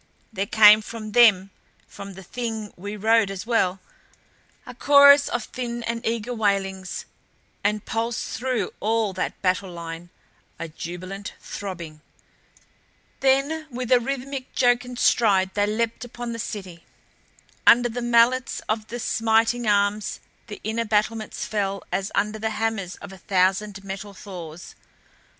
There came from them, from the Thing we rode as well, a chorus of thin and eager wailings and pulsed through all that battle line, a jubilant throbbing. Then with a rhythmic, JOCUND stride they leaped upon the city. Under the mallets of the smiting arms the inner battlements fell as under the hammers of a thousand metal Thors.